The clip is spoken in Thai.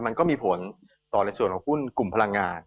มันก็มีผลต่อในส่วนของหุ้นกลุ่มพลังงาน